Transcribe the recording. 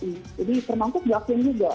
jadi termangkut blockchain juga